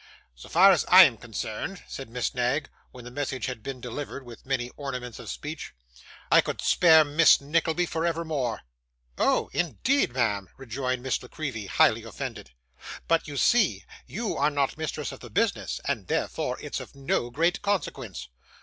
'So far as I am concerned,' said Miss Knag, when the message had been delivered, with many ornaments of speech; 'I could spare Miss Nickleby for evermore.' 'Oh, indeed, ma'am!' rejoined Miss La Creevy, highly offended. 'But, you see, you are not mistress of the business, and therefore it's of no great consequence.